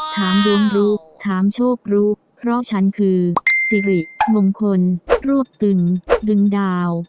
ถามดวงรู้ถามโชครู้เพราะฉันคือสิริมงคลรวบตึงดึงดาว